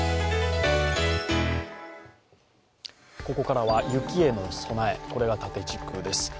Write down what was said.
ここからは雪への備え、これが縦軸です。